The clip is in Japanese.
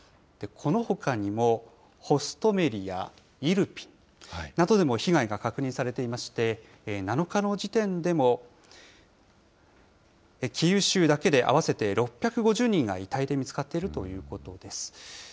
このほかにもホストメリやイルピンなどでも被害が確認されていまして、７日の時点でもキーウ州だけで合わせて６５０人が遺体で見つかっているということです。